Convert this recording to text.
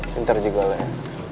pinter juga lo ya